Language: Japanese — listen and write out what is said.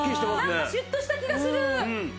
なんかシュッとした気がする！